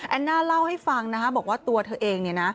แอนน่าเล่าให้ฟังนะบอกว่าตัวเธอเอง